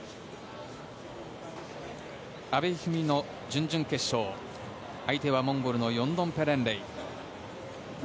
阿部一二三の準々決勝相手はモンゴルのヨンドンペレンレイ。